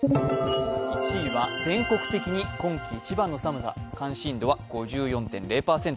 １位は全国的に今季一番の寒さ、関心度は５４．０％。